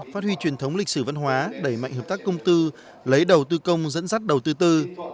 phát huy truyền thống lịch sử văn hóa đẩy mạnh hợp tác công tư lấy đầu tư công dẫn dắt đầu tư tư